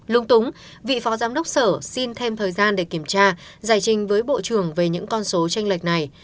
lung túng vị phó giám đốc sở xin thêm thời gian để kiểm tra giải trình với bộ trưởng về những con số tranh lệch này